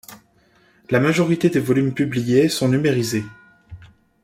La majorité des volumes publiés sont numérisés.